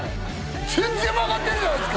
全然曲がってんじゃないですか！